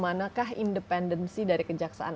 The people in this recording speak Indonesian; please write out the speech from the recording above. manakah independensi dari kejaksaan